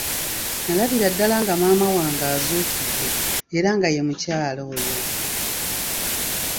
Nalabira ddala nga maama wange azuukidde era nga ye mukyala oyo.